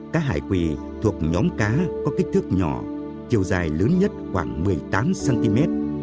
cá hải quỳ thuộc nhóm cá có kích thước nhỏ chiều dài lớn nhất khoảng một mươi tám cm